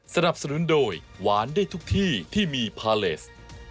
ทราบรู้จะต้องงานได้ทุกที่ที่มีความละเอ็ด